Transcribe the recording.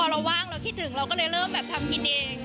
เราว่างเราคิดถึงเราก็เลยเริ่มแบบทำกินเอง